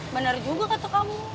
bener juga kata kamu